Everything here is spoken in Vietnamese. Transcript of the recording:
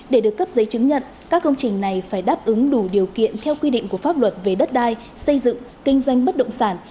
để được cấp giấy chứng nhận các công trình này phải đáp ứng đủ điều kiện theo quy định của pháp luật về đất đai xây dựng kinh doanh bất động sản